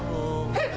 えっ！